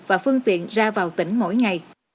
và phương tiện ra vào tỉnh mỗi ngày